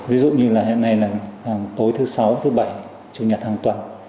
ví dụ như là hiện nay là tối thứ sáu thứ bảy chủ nhật hàng tuần